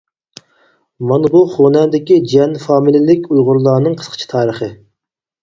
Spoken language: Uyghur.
مانا بۇ خۇنەندىكى جىيەن فامىلىلىك ئۇيغۇرلارنىڭ قىسقىچە تارىخى.